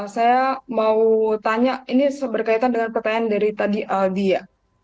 saya mau tanya ini berkaitan dengan pertanyaan dari tadi aldi ya